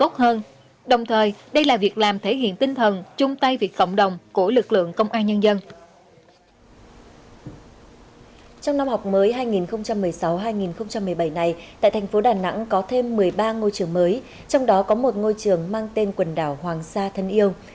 trong năm học mới hai nghìn một mươi sáu hai nghìn một mươi bảy này tại thành phố đà nẵng có thêm một mươi ba ngôi trường mới trong đó có một ngôi trường mang tên quần đảo hoàng sa thân yêu